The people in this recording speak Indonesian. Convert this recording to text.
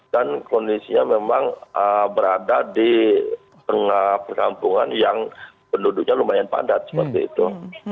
dan kondisinya memang berada di tengah perkampungan yang penduduknya lumayan padat seperti itu